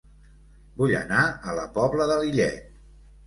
Vull anar a La Pobla de Lillet